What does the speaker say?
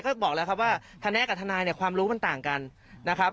ก็บอกแล้วครับว่าทนายกับทนายเนี่ยความรู้มันต่างกันนะครับ